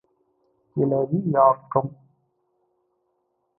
கிளவியாக்கம்